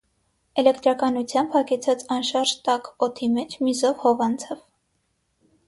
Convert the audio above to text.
Էլեկտրականությամբ հագեցած անշարժ տաք օդի մեջ մի զով հով անցավ: